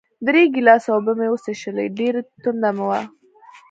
درې ګیلاسه اوبه مې وڅښلې، ډېره تنده مې وه.